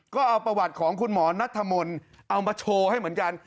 ก็เอาประวัติของคุณหมอนัทธมนต์เอามาโชว์ให้เหมือนกัน